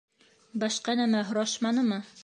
Башҡа нәмә һорашманымы?